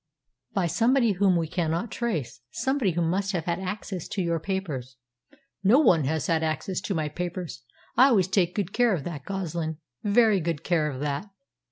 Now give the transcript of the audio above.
"By somebody whom we cannot trace somebody who must have had access to your papers." "No one has had access to my papers. I always take good care of that, Goslin very good care of that.